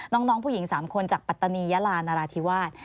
น้องผู้หญิง๓คนจากปัตตานียาลานราธิวาส